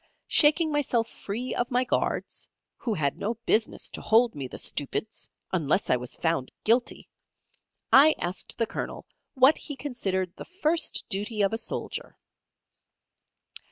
Shaking myself free of my guards who had no business to hold me, the stupids! unless I was found guilty I asked the Colonel what he considered the first duty of a soldier?